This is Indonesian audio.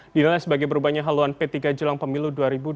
dilihat sebagai perubahannya haluan p tiga jelang pemilu dua ribu dua puluh empat